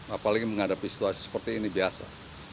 apalagi menghadapi situasi seperti ini biasa